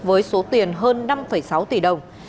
với số tiền hơn năm sáu tỷ đồng